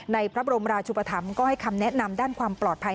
พระบรมราชุปธรรมก็ให้คำแนะนำด้านความปลอดภัย